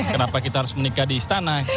kenapa kita harus menikah di istana